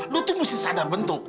lu itu mesti sadar bentuk